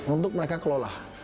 untuk mereka kelola